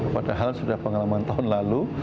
padahal sudah pengalaman tahun lalu